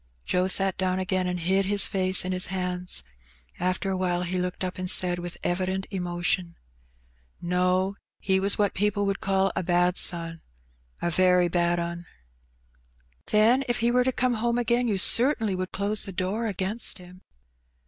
Joe sat down again, and hid his face in his hands. After awhile he looked up and said with evident emotion — "No, he was what people would call a bad son — a very bad 'un." " Then if he were to come home again, you certainly would close the door against him?"